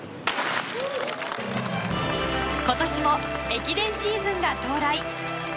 今年も駅伝シーズンが到来！